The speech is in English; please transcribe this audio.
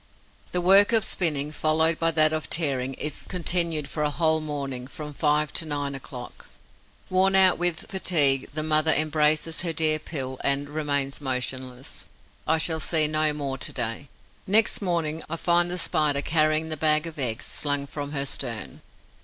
The work of spinning, followed by that of tearing, is continued for a whole morning, from five to nine o'clock. Worn out with fatigue, the mother embraces her dear pill and remains motionless. I shall see no more to day. Next morning, I find the Spider carrying the bag of eggs slung from her stern.